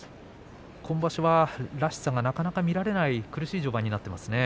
今場所は、らしさがなかなか見られない苦しい序盤ですね。